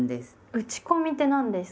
打ち込みって何ですか？